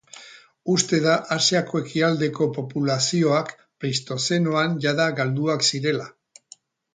Uste da Asia Ekialdeko populazioak Pleistozenoan jada galduak zirela.